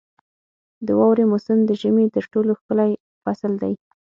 • د واورې موسم د ژمي تر ټولو ښکلی فصل دی.